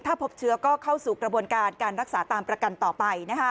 ถ้าพบเชื้อก็เข้าสู่กระบวนการการรักษาตามประกันต่อไป